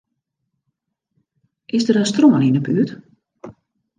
Is der in strân yn 'e buert?